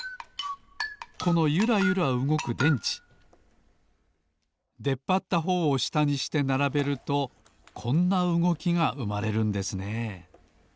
このゆらゆらうごく電池でっぱったほうをしたにしてならべるとこんなうごきがうまれるんですね